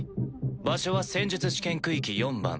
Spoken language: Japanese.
場所は戦術試験区域４番。